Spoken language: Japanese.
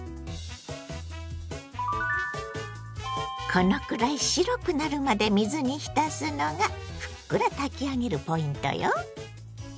このくらい白くなるまで水に浸すのがふっくら炊き上げるポイントよ。